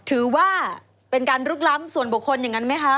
ถือว่าเป็นการลุกล้ำส่วนบุคคลอย่างนั้นไหมคะ